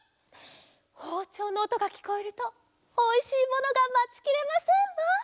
ほうちょうのおとがきこえるとおいしいものがまちきれませんわ。